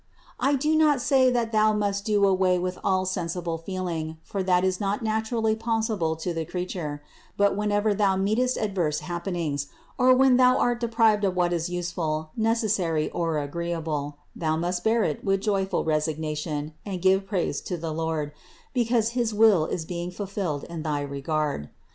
313. I do not say that thou must do away with all sensible feeling, for that is not naturally possible to the creature; but whenever thou meetest adverse happenings, or when thou art deprived of what is useful, necessary or agreeable thou must bear it with joyful resignation and give praise to the Lord, because his will is being fulfilled in thy regard.